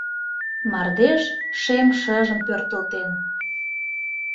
Мардеж шем шыжым пӧртылтен.